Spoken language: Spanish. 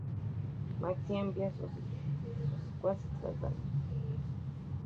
Maxie envía a sus secuaces tras Danny.